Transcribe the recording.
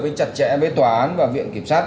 với chặt chẽ với tòa án và viện kiểm sát